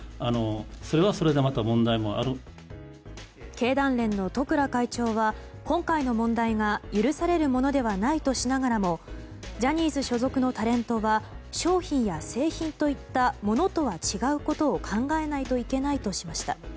経団連の十倉会長は今回の問題が許されるものではないとしながらもジャニーズ所属のタレントは商品や製品といったモノとは違うことを考えないといけないとしました。